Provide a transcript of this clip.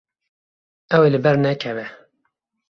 Ew ê li ber nekeve.